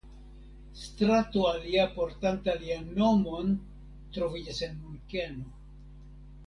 Strato alia portanta lian nomon troviĝas en Munkeno.